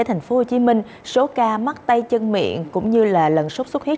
thành phố hồ chí minh số ca mắc tay chân miệng cũng như lần sốt xuất huyết